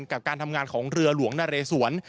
กับการทำงานของเรือหลวงนเรสวน